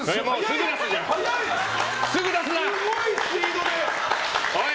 すごいスピードで。